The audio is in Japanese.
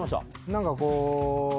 何かこう。